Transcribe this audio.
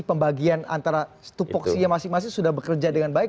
pembagian antara tupoksinya masing masing sudah bekerja dengan baik